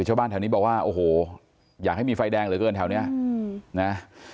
ชาวบ้านแถวนี้บอกว่าโอ้โหอยากให้มีไฟแดงเหลือเกินแถวนี้นะ